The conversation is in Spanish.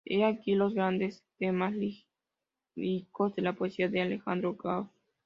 He aquí los grandes temas líricos de la poesía de Alejandro Gaos.